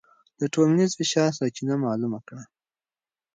د ټولنیز فشار سرچینه معلومه کړه.